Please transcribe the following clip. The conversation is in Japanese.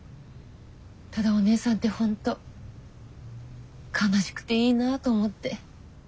ただお姉さんって本当悲しくていいなぁと思って。